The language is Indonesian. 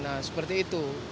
nah seperti itu